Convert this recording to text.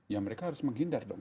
ya mereka harus menghindar dong